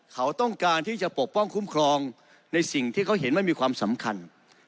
เขาต้องการที่จะปกป้องคุ้มครองในสิ่งที่เขาเห็นมันมีความสำคัญ